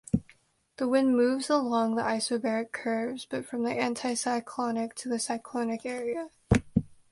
The wind moves along the isobaric curves, but from the anticyclonic to the cyclonic area.